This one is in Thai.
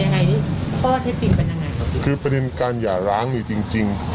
ยังไงข้อเท็จจริงเป็นยังไงครับคือประเด็นการหย่าร้างมีจริงจริง